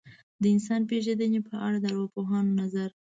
د انسان پېژندنې په اړه د ارواپوهانو نظر.